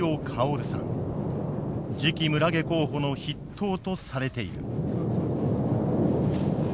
次期村下候補の筆頭とされている。